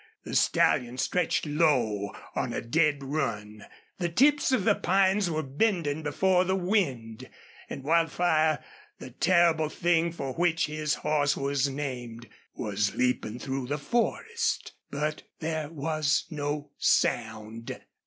The stallion stretched low on a dead run; the tips of the pines were bending before the wind; and Wildfire, the terrible thing for which his horse was named, was leaping through the forest. But there was no sound.